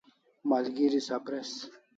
Malgeri sapres